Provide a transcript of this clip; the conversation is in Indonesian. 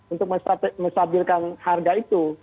untuk mensafirkan harga itu